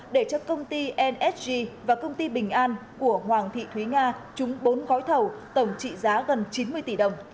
để cho công ty msg và công ty bình an của hoàng thị thúy nga trúng bốn gói thầu tổng trị giá gần chín mươi tỷ đồng